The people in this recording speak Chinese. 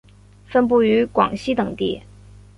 分布于广西等地。